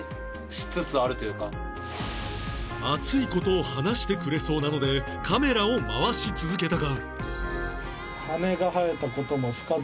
熱い事を話してくれそうなのでカメラを回し続けたが